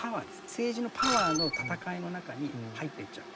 政治のパワーの戦いの中に入っていっちゃう。